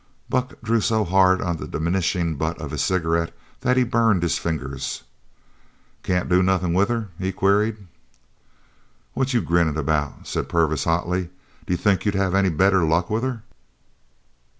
Buck drew so hard on the diminishing butt of his cigarette that he burned his fingers. "Can't do nothin' with her?" he queried. "What you grinnin' about?" said Purvis hotly. "D'you think you'd have any better luck with her?"